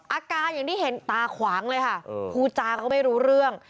อาการอย่างที่เห็นตาขวางเลยค่ะพูดจาก็ไม่รู้เรื่อง